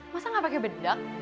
masa gak pake bedak